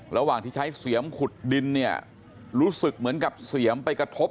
ระหว่างที่ใช้เสียมขุดดินเนี่ยรู้สึกเหมือนกับเสียมไปกระทบ